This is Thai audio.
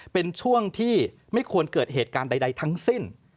เป็นช่วงที่ไม่ควรเกิดเหตุการณ์ใดทั้งสิ้น